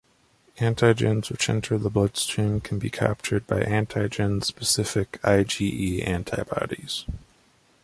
Antigens which enter the blood stream can be captured by antigen specific IgE antibodies.